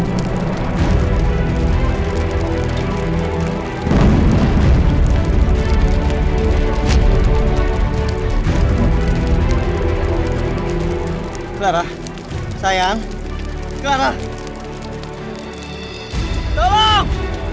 lu sini aja secara terang